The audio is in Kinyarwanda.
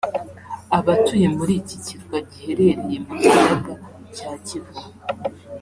Abatuye muri iki kirwa giherereye mu kiyaga cya Kivu